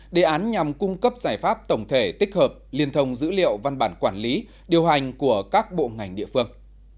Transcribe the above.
đề án nhằm cung cấp giải pháp tổng thể tích hợp liên thông dữ liệu văn bản quản lý điều hành của các bộ ngành địa phương